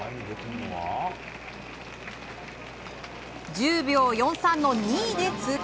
１０秒４３の２位で通過。